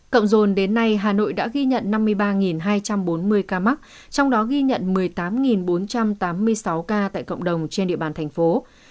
cộng dồn đến nay hà nội đã ghi nhận năm mươi ba hai trăm bốn mươi ca mắc trong đó ghi nhận một mươi tám bốn trăm tám mươi sáu ca tại cộng đồng trên địa bàn thành phố